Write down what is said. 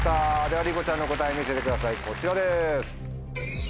ではりこちゃんの答え見せてくださいこちらです。